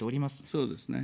そうですね。